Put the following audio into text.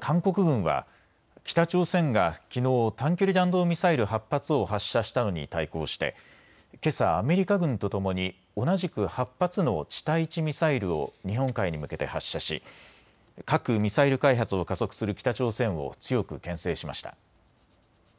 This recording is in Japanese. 韓国軍は北朝鮮がきのう短距離弾道ミサイル８発を発射したのに対抗してけさアメリカ軍とともに同じく８発の地対地ミサイルを日本海に向けて発射し核・ミサイル開発を加速する北朝鮮を強くけん制しました。